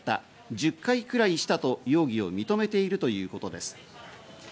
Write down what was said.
１０回くらいしたと容疑を認めているということです。